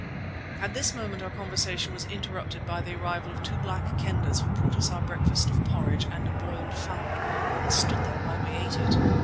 At this moment our conversation was interrupted by the arrival of two Black Kendahs who brought us our breakfast of porridge and a boiled fowl, and stood there while we ate it.